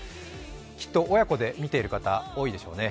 きっと親子で見ている方、多いでしょうね。